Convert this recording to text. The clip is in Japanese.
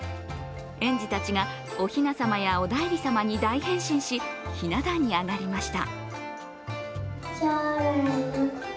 園児たちがおひな様やお内裏様に大変身しひな壇に上がりました。